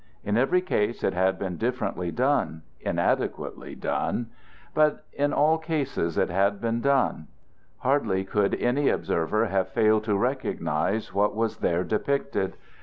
In every case it had been differently done, inadequately done; but in all cases it had been done. Hardly could any observer have failed to recognize what was there depicted.